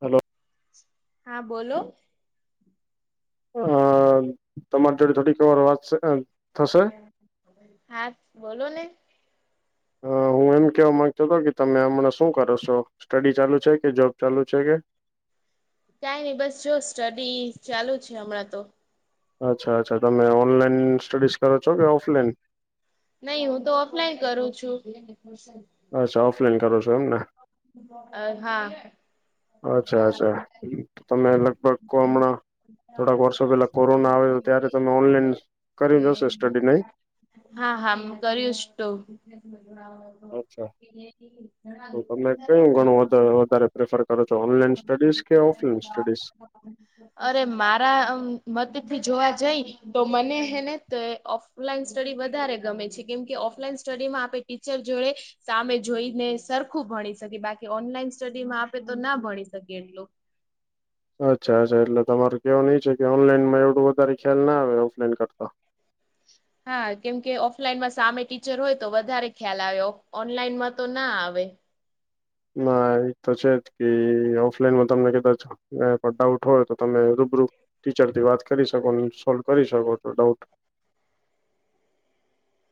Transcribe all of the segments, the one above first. Hello. હા બોલો. અ તમારી જોડે થોડી ખબર વાત છે. હા બોલો ને. હ હું એમ કેવા માંગતો હતો કે તમે હમણાં શું કરો છો સ્ટડી ચાલુ છે કે જોબ ચાલુ છે કે. કઈ નહી બસ જો સ્ટડી ચાલુ છે હમણાં તો. અચ્છા અચ્છા તમે ઓનલાઈન સ્ટડીઝ કરો છો કે ઓફલાઈન. નહી હું તો ઓફલાઈન કરું છું. અચ્છા ઓફલાઈન કરો છો એમ ને. અ હા. અચ્છા અચ્છા તમે લગભ હમણાં થોડાક વર્ષો પેલા કોરોના આવે ત્યારે તમે ઓનલાઈન કરી રહશે સ્ટડી નહી હા હા કર્યુંશ તો હ તમે કયું ગણું વધારે પ્રેફર કરો છો ઓનલાઈન સ્ટડીઝ કે, ઓફલાઈન સ્ટડીઝ હ. અરે મારા મતે થી જોવા જઈ તો મને હેને ત ઓફ ઓફલાઈન સ્ટડી વધારે ગમે છે કેમ કે ઓફલાઈન સ્ટડીમાં આપણે ટીચર જોડે સામે જોઈને સરખું ભણી શકે બાકી ઓનલાઈન સ્ટડીમાં આપે તો ના ભણી શકી એટલું. અચ્છા અચ્છા એટલે તમારે કેવો નઈ છે કે ઓનલાઈનમાં એવું વધારે ખ્યાલ ના આવે ઓફલાઈન કરતા. [inaudible] હા કેમકે ઓફલાઈનમાં સામે ટીચર હોય તો વધારે ખ્યાલ આવે ઓનલાઈનમાં તો ના આવે. ના એ તો છે જ કે ઓફલાઈનમાં તમને કદાચ પણ ડાઉટ હોય તો તમે રૂબરૂ ટીચર થી વાત કરી શકો સોલ્વ કરી શકો છો ડાઉટ.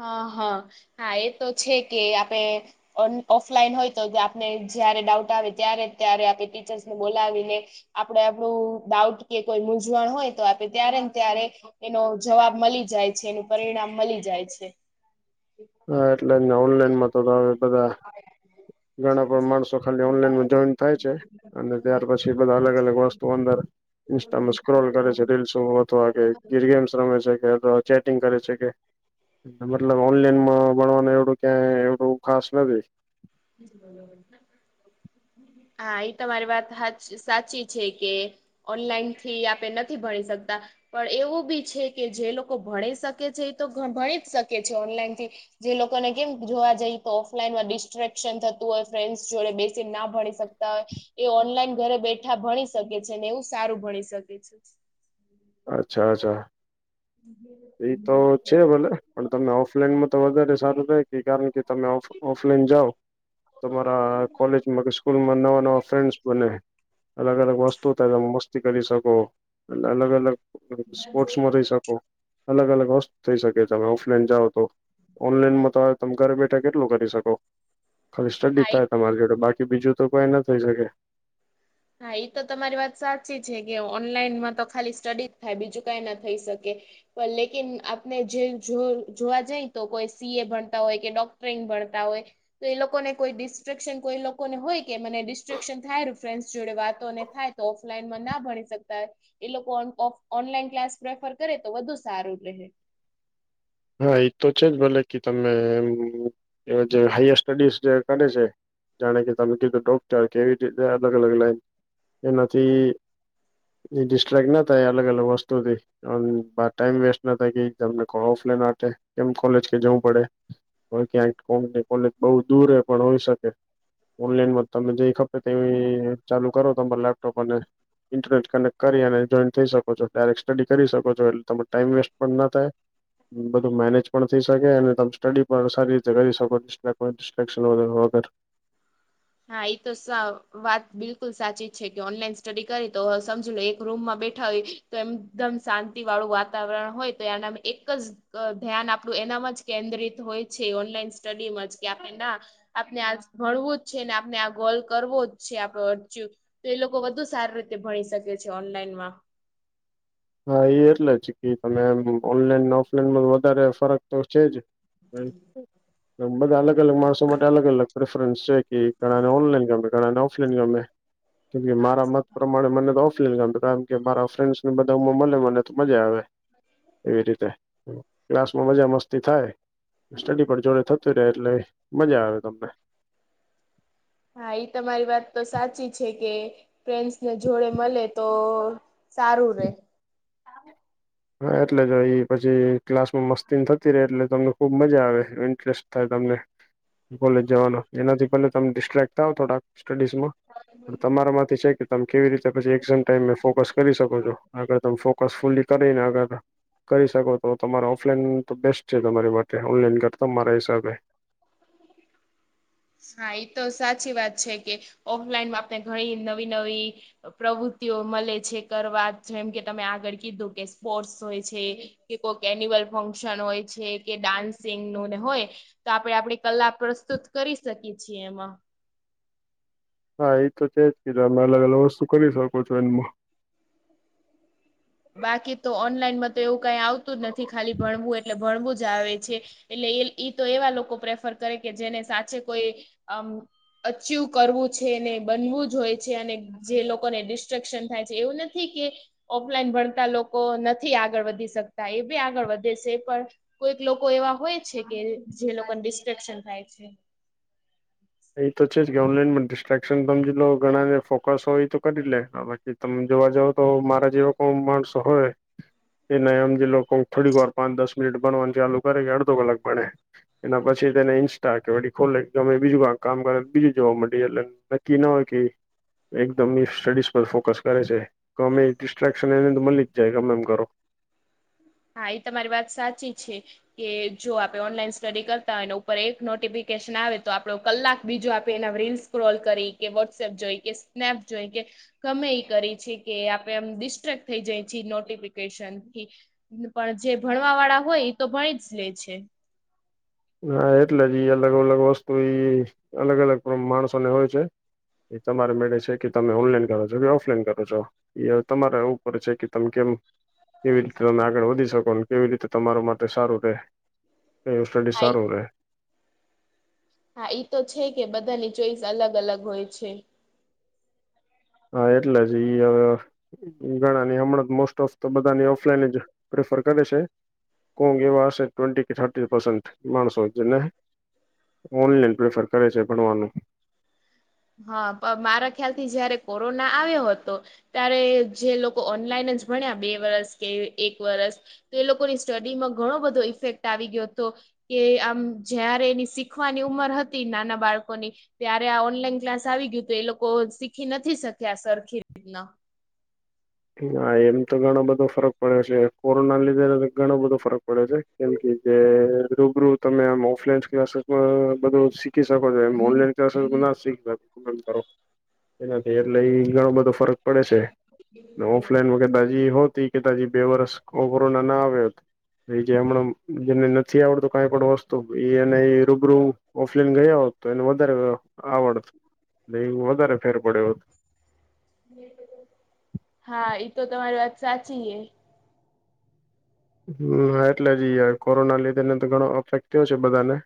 હા હા હા એ તો છે કે આપણે. ઓફલાઈન હોય તો આપને જય્યારે ડાઉટ આવે ત્યારે ત્યારે આપણે ટીચર્સને બોલાવીને આપડે આપણું ડાઉટ કે કોઈ મૂઝવણ હોય તો આપે ત્યારે ને ત્યારે એનો જવાબ મળી જાય છે, એનું પરિણામ મળી જાય છે. હા એટલે ઓનલાઈનમાં તો બધા. ઘણા પણ માણસો ખાલી ઓનલાઈન જોઈન થાય છે અને ત્યાર પછી. બધા અલગ અલગ વસ્તુ અંદર. ઇન્સ્ટામાં સ્ક્રોલ કરે છે રીલ્સો અથવા કે ગીર ગેમ્સ રમે છે કે અથવા ચેટિંગ કરે છે કે મતલબ ઓનલાઈનમાં ભણવાનું એવડું ક્યાંય એવડું ખાસ નથી. બોલો. [inaudible] હા એ તમારી વાત હાચ સાચી છે કે ઓનલાઈનથી આપે નથી ભણી શકતા પણ એવું બી છે કે જે લોકો ભણી શકે છે એ તો ભણી જ શકે છે ઓનલાઈન થી જે લોકોને કેમ જોવા જઈએ તો ઓફલાઈન માં ડિસ્ટક થતું હોય ફ્રેન્ડ જોડે બેસીને ના ભણી શકતા હોય એ ઓનલાઈન ઘરે બેઠા ભણી શકે છે ને એવું સારું ભણી શકે છે અચ્છા અચ્છા એ તો છે ભલે પણ તમને ઓફલાઈનમાં તો વધારે સારું થ તે કારણ કે તમેફ ઓફલાઈન જાઓ તમારા કોલેજમાં સ્કૂલમાં નવા નવા ફ્રેન્ડ બને અલગ અલગ વસ્તુ ત તમે મસ્તી કરી શકો અને અલગ અલગ સ્પોર્ટ્સમાં થઇ શકો અલગ અલગ વસ્તુ થઈ શકે તમે ઓફલાઈન જાઓ ઓનલાઈન માં તો તમે ઘરે બેઠા કેટલું કરી શકો ખાલી સ્ટડી હા એ થાય તમારી જોડે બાકી બીજું તો કોઈ ના થઈ શકે હા એ તો તમારી વાત સાચી છે કે ઓનલાઈનમાં તો ખાલી સ્ટડી થાય બીજું કઈ ના થઈ શકે પણ લેકિન આપને જે જોવા જાય તો કોઈ સી એ ભણતા હોય કે ડોક્ટરિંગ ભણતા હોય તો એ લોકો ને કોઈ ડિસ્ટ્રેક્શન કોઈ એ લોકોને હોય કે મને ડિસ્ટ્રેક્શન થાયું ફ્રેન્ડ જોડે વાતોને થાય તો ઓફલાઈનમાં ના ભણી શકતા એ લોકો ઓનલાઈન ક્લાસ પ્રેફર કરે તો વધુ સારું રહે હા એ તો છે જ ભલે કે તમે એમ એ જે હાયર સ્ટડીઝ જે કરે છે જાણે કે તમે કીધું ડોકચાર કેવી રીતે અલગ અલગ લાઈન એનાથી એ ડિસ્ટ્રેક્ટ ના થાય અલગ અલગ વસ્તુથી ટાઈમ વેસ્ટ ના થાય કે તમને ના એમ કોલેજ કે જવું પડે ક્યાં કોમની કોલેજ બઉુ દૂર પણ હોય શકે ઓનલાઈન માં તમે જે ખપે તે ચાલુ કરો તમા લેપટોપ અને ઇન્ટરનેટ કનેક્ટ કરી અને જોઈન થઈ શકો છો ડાયરેક્ટ સ્ટડી કરી શકો છો એટલે તરો ટાઈમ વેસ્ટ પણ ના થાય બધું મેનેજ પણ થઇ શકે અને તમે સ્ટડી પણ સારી રીતે કરી શકો છ કોઈ ડિફક્શન અગર હા એ તો વાત બિલકુલ સાચી જ છે કે ઓનલાઈન સ્ટડી કરી તો સમજી લો એક રૂમમાં બેઠા હો તો એમદમ શાંતિ વાળું વાતાવરણ હોય તો એના એક જ ધ્યાન આપણું એનામાં જ કેન્દ્રિત હોય છે ઓનલાઈન સ્ટડીમાં જ કે આપણે ના આપણે આ ભણવું જ છે ને આપણે આ ગોલ કરવો જ છે આપડ અરચ તો એ લોકો વધુ સારી રીતે ભણી શકે છે ઓનલાઈન માં હા એ એટલે જ કે તમે ઓનલાઈન ને ઓફલાઈનમાં વધારે ફરક તો છે જ મ બધા અલગ અલગ માણસો માટે અલગ અલગ પ્રેફરન્સ છે કે ઘણા ને ઓનલાઈન ગમે ઘણાને ઓફલાઈન ગમે કે મારા મત પ્રમાણે મને તો કે મારા ફ્રેન્ ને બધા માં મળે મને તો મજા આવે એવી રીતે ક્લાસમાં મજા મસ્તી થાય સડી જોડે થતું રહે એટલે મજા આવે તમને હા એ તમારી વાત તો સાચી છે કે ફ્રેન્ડસ ને જોડે મળે તો સારું રે હા એટલે જ પછી ક્લાસ માં મસ્તી ન થતી રહે એટલે તમને ખુબ મજા આવે ઇન્ટરેસ્ટ થાય તમને કોલેજ જવાનો એનાથી પલે તમે ડિસ્ટ્રેક્ટ થ થોડા સ્ટડીઝ માં પણ તમારા માંથી છે કે તમે કેવી રીતે પછી એક ટ ફોકસ કરી શકો છો આગ તમે ફોકસ ફુલી કરીને આગર કરી શકો તો તમારે ઓફલાઈન તો બેસ્ટ છે તમારી માટે ઓનલાઈન કરતા મારા હિસાબે હા એ તો સાચી વાત છે કે ઓફલાઈનમાં આપણે ઘણી નવી નવી પ્રવૃત્તિઓ મળે છે કરવા જેમ કે તમે આગળ કીધું કે સ્પોર્ટ્સ હોય છે કે કોઈક એન્યુઅલ ફંક્શન હોય છે કે ડાન્સિંગ નુંને હોય તો આપડણે આપણી કલા પ્રસ્તુત કરી શકીએ છીએ એમાં હા એ તો છેજ કીધો અમે અલગ અલગ વસ્તુ કરી શકો છો એને હું બાકી તો ઓનલાઈનમાં તો એવું કઈ આવતું જ નથી ખાલી ભણવું એટલે ભણવું જ આવે છે એટલે એ તો એવા લોકો પ્રેફર કરે કે જેને સાચે કોઈ અમ અચીવ કરવું છે ને બનવું જ હોય છે અને જે લોકોને ડિસ્ટ્રેક્શન થાય છે એવું નથી કે ઓલાઈન ભણતા લોકો નથી આગળ વધી શકતા એ બી આગળ વધે છે પણ કોઈક લોકો એવા હોય છે કે જે [inaudible] લોકોને ડિસ્ટ્રેક્શન થાય છે એ તો છે જ કે ઓનલાઈન માં ડિસ્ટ્રક્શન સમજી લો ઘણા ને ફોકસ હો એ તો કરી લે બાકી તમે જોવા જાવ તો મારા જેવાો કોણ માણસો હોય એ ન એમ જે લોકો થોડીક વાર પાંચ દસ મિનિટ બનવાનું ચાલુ કરે કે અડધો કલાક બણે એના પછી તેને ઇન્સ્ટા કેી ખોલે ગમે બીજું કામ કરે બીજું જોવા મળે એટલે નક્કી ના હોય કે એકદમ સ્ટડીઝ પર ફોકસ કરે છે તો અમે ડિસ્ટ્રક્શન એને તો મલી જ જાય ગમે એમ કરો હા એ તમારી વાત સાચી છે કે જો આપે ઓનલાઈન સ્ટડી કરતા હોય ને ઉપર એક નોટિફિકેશન આવે તો આપડો કલાક બીજો આપે એ રીલ્સ સ્ક્રોલ કરી કે વોટ્સએપ જોઈ કે સ્નેપ જોઈ કે ગમે એ કરી છે કે આપે એમ ડિસ્ટ્રક્ટ થઈ જાય છી નોટિફિકેશ નથી પણ જે ભણવા વાળા હોય એ તો ભણી જ લે છે. હા એટલે જ ઈ અલગ અલગ વસ્તુ અલગ અલગ માણસોને હોય છે એ તમારે મળે છે કે તમે ઓનલાઈન કરો છો કે ઓફલાઈન કરો છો તમારા ઉપર છે કે તમે કેમ કેવી રીતે તમે આગળ વધી શકો કેવી રીતે તમાર માટે સારું રે હા સડસાર ઈ હો્યા [unintelligible] હા તો છે કે બધાની ચોઈસ અલગ અલગ હોય છે હા એટલે જ ઈવે ગણા ની હમણાં જ મોસ્ટ ઓફ તો બધાને ઓફલાઈન જ પ્રેફર કરે છે કોંગ એવા હશે ટ્વે કે થર્ પન્ટ માણસો જે ઓનલાઈન પ્રેફર કરે છે ભણવાનું હા મારા ખ્યાલ થી જયારે કોરોના આવ્યો હતો. ત્યારે જે લોકો ઓનલાઈન જ ભણ્યા બે વરસ કે એક વરસ તો એ લોકોની સ્ટડીમાં ઘણો બધો ઇફેક્ટ આવી ગયો હતો કે આમ જયારે એની શીખવાની ઉંમર હતી નાના બાળકોની ત્યારે આ ઓનલાઈન ક્લાસ આવી ગયું તો એ લોકો શીખી નથી શક્યા સરખી રીતના હા એમ તો ઘણો બધો ફરક પડ્યો છે કોરોના લીધે ઘણો બધો ફરક પડ્યો છે. કેમ કે જે રૂબરૂ તમે આમ ઓફલાઈન ક્લાસીસમાં બધુંી શીખ શકો છો એન્લા ના શીખો [unintelligible] એનાથી એટલેઈ ઘણો બધો ફરક પડે છે ઓફલાઈન તાજી હોતી કે તા બે વરસ કોરોના ના આવે એ જે હમણાં જેને નથી આવડતું કઈ પણ વસ્તુ એ એ રૂબરૂ ઓફલાઈન ગયા હોત તો એને વધારે આવડ એ વધારે ફેર પડ્યો હોત. હા એ તો તમારી વાત સાચી હ હા એટલે જ યાર કોરોના લીધે ને તો ઘણો અફેક્ટ થયો છે બધાને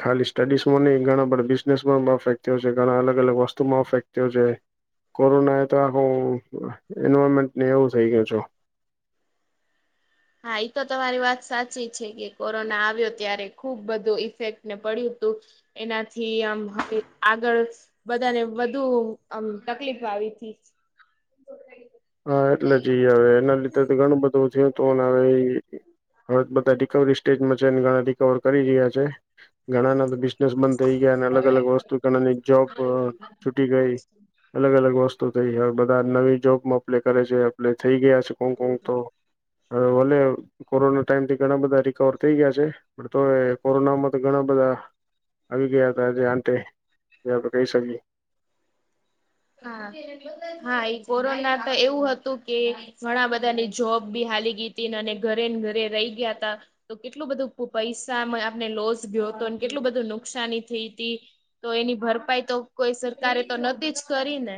ખાલી સ્ટડીઝમાં નહી ઘણા બધા બિઝનેસમાં અફેક્ટ થયો છે ઘણા અલ અલગ વસ્તુમાં અફેક્ટ થયો છે કોરોનાએ તો આખું એન્વાયરમેન્ટને એવું થઈ ગયું છો હા એ તો તમારી વાત સાચી છે કે કોરોના આવ્યો ત્યારે ખુબ બધું ઈફેક્ટને પડ્યું હતું એનાથી આમ [inaudible] આગળ બધાને વધુ [inaudible] આમ તકલીફ આવી હતીથી [inaudible] હા એટલે જ ઈ આવે એના લીધે તો ઘણું બધું થય હમ [unintelligible] હવે બધા રિકવરી સ્ટેજમાં છે ઘણા રિકવર કરી રહ્યા છે ઘણાના તો બંધ થઈ ગયા અને અલગ અલગ વસ્તુ કેની જોબ છૂટી ગઈ અલગ અલગ વસ્તુ થ હ બધા નવી જોબમાં અપ્લાય કરે છે એપ્લાય થઈ ગયા છે કોંગકોંગ તો હ ભલે કોરોના ટાઈમ થી ઘણા બધા રિકવર થઈ ગયા છે. પણ તો એ કોરોના માં તો ઘણા બધા આવી આવી ગયા હતાજ આતે જે આપણે કહી શકીએ હા હા એ કોરોના તો એવું હતું કે ઘણા બધા ની જોબ બી હાલી ગઈ હતીને અને ઘરે ને ઘરે રહી ગયા તા તો કેટલું બધું પૈસા આપને લોસ ગયો હતો અને કેટલું બધું નુકસાની થઈ હતી. તો એની ભરપાઈ તો કોઈ સરકારે તો નથીતી જ કરી ને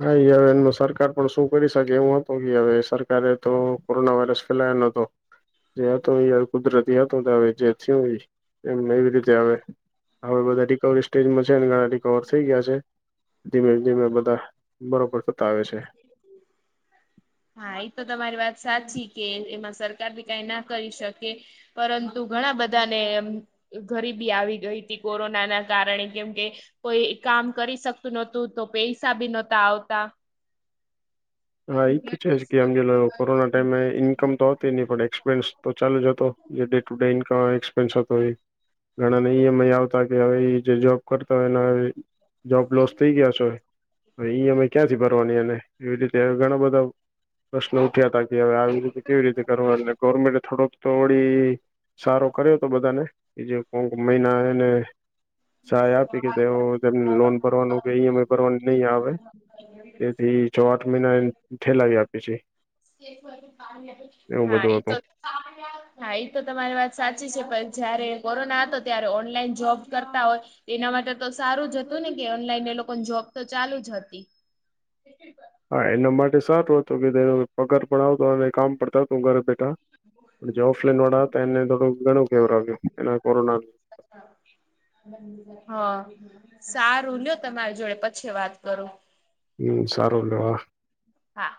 હા હવે એ સરકાર પણ શું કરી શકે એવું હત કે હવે સરકારે તો કોરોના વાયરસ ના નો તો જે હતોય કુદરતી હતો આવે જે થયું હોય એમ નવી રીતે આવે હવે બધા રિકવરી સ્ટેજમાં છે અને ઘણા રિકવર થઈ ગયા છે ધીમે ધીમે બધા બરોબર સતાવે છે. હા એ તો તમારી વાત સાચી કે એમાં સરકાર બી કઈ ના કરી શકે પરંતુ ઘણા બધા ને ગરીબી આવી ગઈ હતી કોરોના ના કારણે કેમ કે કોઈ કામ કરી શકતું નહોતું તો પૈસા બી નહોતા આવતા હા એ તો છે કે આમ કોરોના ટાઈમે ઈન્કમ તો હતી નહી પણ એક્સપેન્સ તો ચાલુ જ હતો જે ડેટ સુડેન્ટ ક એક્સપેન્સ હતોય ઘણા નેમ આવતા કે હવે જે જોબ કરતા હોય ને જોબ લોસ થઈ ગયા છો ઈએમઆઈ ક્યાંથી ભરવાની અને એવી રીતે ઘણા બધા પ્રશ્ન ઉઠ્યા હતા કે હવે આવી રીતે કેવી રીતે કરવા ગવર્મેન્ટ થોડોક‌ તો વડિ સારો કર્યો હતો બધાને એ જે કોક મહિના એને સહાય આપી કે તે તેમને લોન ભરવાનું કે ઈએમઈ ભરવાનું નહીં આવે. તેથી છ આઠ મહિના ઠેલાવી આપે છે. એવું હા એ બધું તો હતું હા એ તો તમારી વાત સાચી છે પણ જયારે કોરોના હતો ત્યારે ઓનલાઈન જોબ કરતા હોય એના માટે તો સારું જ હતું ને કે ઓનલાઈન એ લોકોને જોબ તો ચાલુ જ હતી. [unintelligible] હા એના માટે સારું હતું કે તેનો પગાર પણ આવતો અને કામ પતા હતું ઘરે બેઠા જે ઓફલાઈન વાળા હતા એને થોડું ઘણું કેવર આવ્યું એના કોરોના [unintelligible] હા સારું લ તમારી જોડે પછી વાત કરું હમ સારુંલવા હા